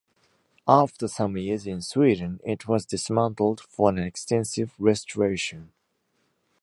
After some years in Sweden, it was dismantled for an extensive restoration.